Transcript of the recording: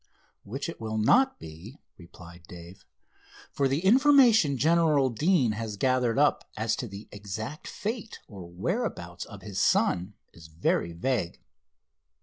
"Which it will not be," replied Dave, "for the information General Deane has gathered up as to the exact fate or whereabouts of his son is very vague.